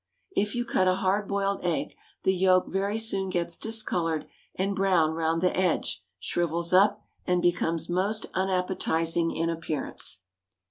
If you cut a hard boiled egg the yolk very soon gets discoloured and brown round the edge, shrivels up, and becomes most unappetising in appearance.